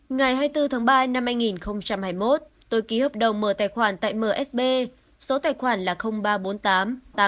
ngày hai mươi bốn tháng ba năm hai nghìn hai mươi một tôi ký hợp đồng mở tài khoản tại msb số tài khoản là ba trăm bốn mươi tám